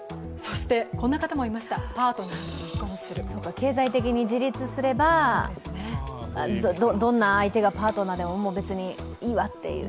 経済的に自立すればどんな相手がパートナーでも別にいいわっていう。